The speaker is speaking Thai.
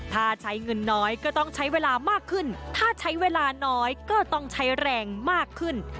ถ้าใช้เงินน้อยก็ต้องใช้เวลามากขึ้นถ้าใช้เวลาน้อยก็ต้องใช้แรงมากขึ้น